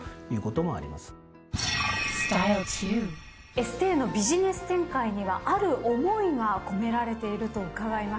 エステーのビジネス展開にはある思いが込められていると伺いました。